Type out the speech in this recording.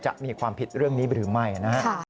จะมีความผิดเรื่องนี้หรือไม่นะฮะ